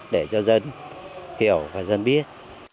để cho dân hiểu và dân biết